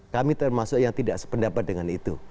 kami termasuk yang tidak sependapat dengan itu